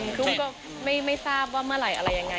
ซึ่งก็ไม่ทราบว่าเมื่อไหร่อะไรยังไง